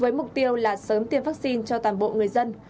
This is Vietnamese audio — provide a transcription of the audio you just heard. với mục tiêu là sớm tiêm vaccine cho toàn bộ người dân